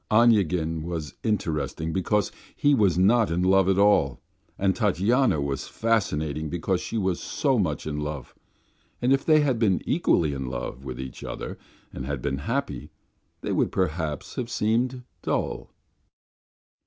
Onyegin was interesting because he was not in love at all, and Tatyana was fascinating because she was so much in love; but if they had been equally in love with each other and had been happy, they would perhaps have seemed dull.